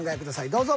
どうぞ。